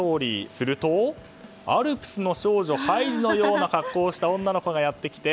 すると、アルプスの少女のハイジのような格好をした女の子がやってきて